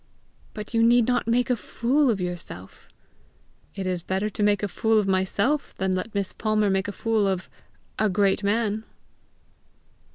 "But you need not make a fool of yourself!" "It is better to make a fool of myself, than let Miss Palmer make a fool of a great man!"